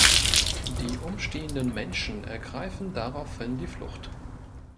Die umstehenden Menschen ergreifen daraufhin die Flucht.